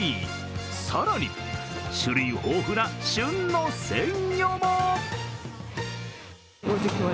更に、種類豊富な旬の鮮魚も。